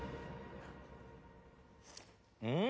うん！